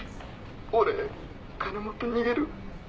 「俺金持って逃げる」